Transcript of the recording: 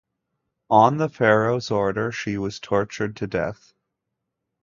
On the Pharaoh's order, she was tortured to death.